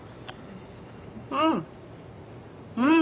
うん。